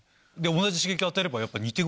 同じ刺激を与えれば似てく。